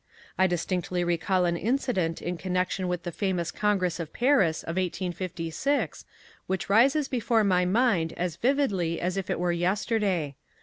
I distinctly recall an incident in connection with the famous Congress of Paris of 1856 which rises before my mind as vividly as if it were yesterday.